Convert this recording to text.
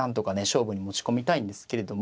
勝負に持ち込みたいんですけれども。